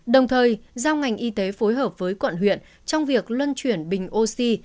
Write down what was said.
đồng thời giao ngành y tế phối hợp với quận huyện trong việc luân chuyển bình oxy